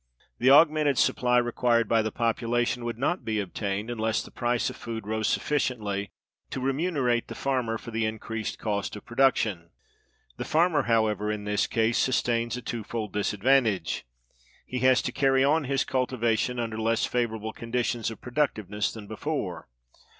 The augmented supply required by the population would not be obtained, unless the price of food rose sufficiently to remunerate the farmer for the increased cost of production. The farmer, however, in this case sustains a twofold disadvantage. He has to carry on his cultivation under less favorable conditions of productiveness than before.